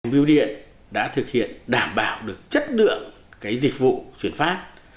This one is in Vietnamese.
bưu điện đã thực hiện đảm bảo được chất lượng dịch vụ truyền phát